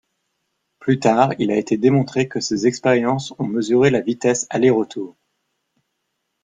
Plus tard, il a été démontré que ces expériences ont mesuré la vitesse aller-retour.